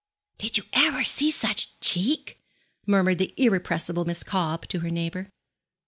'Did you ever see such cheek?' murmured the irrepressible Miss Cobb to her neighbour.